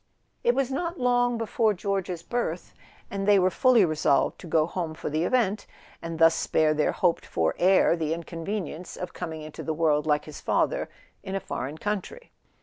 It was not long before George's birth, and they were fully resolved to go home for the event, and thus spare their hoped for heir the inconvenience of coming into the world, like his father, in a foreign country.